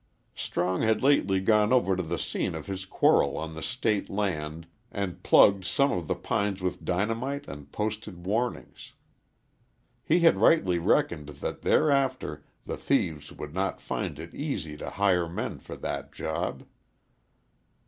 Strong had lately gone over to the scene of his quarrel on the State land and plugged some of the pines with dynamite and posted warnings. He had rightly reckoned that thereafter the thieves would not find it easy to hire men for that job.